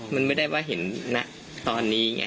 มันไม่ได้ว่าเห็นนะตอนนี้ไง